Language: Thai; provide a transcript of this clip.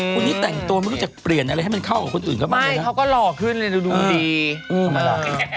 คนนี้แต่งตัวไม่รู้จักเปลี่ยนอะไรให้มันเข้ากับคนอื่นเขามากเลยนะเขาก็หล่อขึ้นเลยดูดี